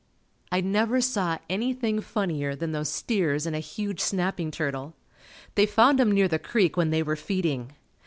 I never saw anything funnier than those steers and a huge snapping turtle. They found him near the creek when they were feeding.